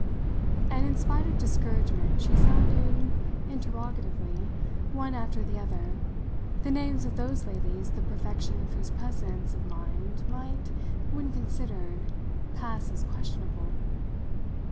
And in spite of discouragement she sounded, interrogatively, one after the other, the names of those ladies the perfection of whose presence of mind might, when considered, pass as questionable.